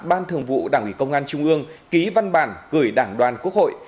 ban thường vụ đảng ủy công an trung ương ký văn bản gửi đảng đoàn quốc hội